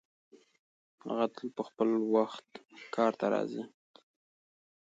هغه تل په خپل وخت کار ته راځي.